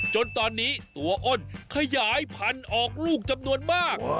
จนตอนนี้ตัวอ้นขยายพันธุ์ออกลูกจำนวนมาก